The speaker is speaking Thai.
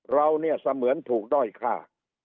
เราเนี่ยเสมือนถูกด้อยฆ่า